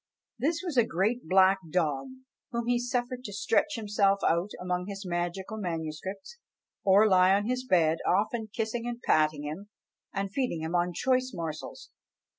This was a great black dog, whom he suffered to stretch himself out among his magical manuscripts, or lie on his bed, often kissing and patting him, and feeding him on choice morsels.